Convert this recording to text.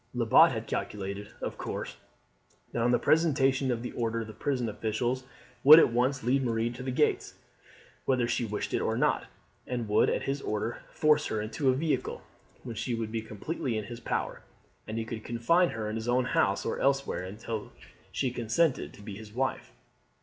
Lebat had calculated, of course, that on the presentation of the order the prison officials would at once lead Marie to the gates whether she wished it or not, and would, at his order, force her into a vehicle, when she would be completely in his power, and he could confine her in his own house or elsewhere until she consented to be his wife.